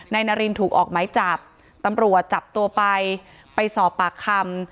นารินถูกออกไหมจับตำรวจจับตัวไปไปสอบปากคำ